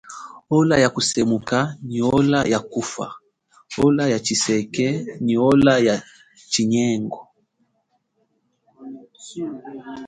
Ola ya kusemuka nyi ola ya kufa ola ya chiseke nyi ola ya tshinyengo.